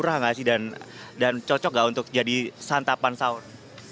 rasa ini menurut kalian murah nggak sih dan cocok nggak untuk jadi santapan sahur